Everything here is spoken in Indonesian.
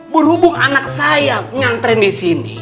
berhubung anak saya yang ngantren disini